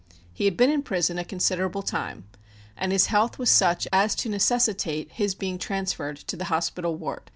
He had been in prison a considerable time and his health was such as to necessitate his being transferred to the hospital ward.